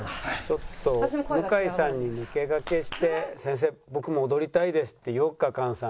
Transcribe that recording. ちょっと向井さんに抜け駆けして「先生僕も踊りたいです」って言おうか菅さん。